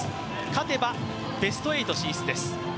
勝てばベスト８進出です。